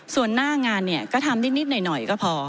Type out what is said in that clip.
ส่วนหน้างานเนี่ยก็ทำนิดหน่อยก็พอ